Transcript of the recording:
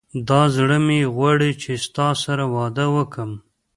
دا زړه مي غواړي چي ستا سره واده وکم